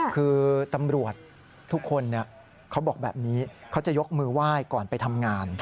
คือตำรวจทุกคนเขาบอกแบบนี้เขาจะยกมือไหว้ก่อนไปทำงาน